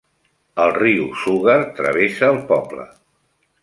El riu Sugar travessa el poble.